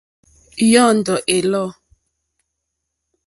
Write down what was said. Yɔ́ndɔ̀ é lɔ̂.